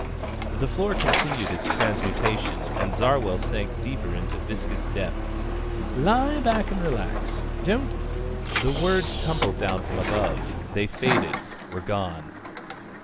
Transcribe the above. The floor continued its transmutation, and Zarwell sank deep into viscous depths. "Lie back and relax. Don't ..." The words tumbled down from above. They faded, were gone.